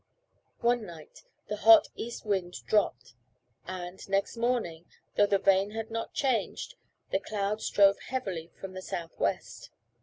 One night the hot east wind dropped, and, next morning (though the vane had not changed), the clouds drove heavily from the south west.